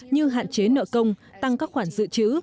như hạn chế nợ công tăng các khoản dự trữ